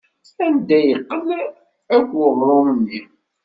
Anda yeqqel akk uɣrum-nni?